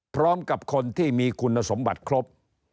พร้อมกับคนที่มีคุณสมบัติครบ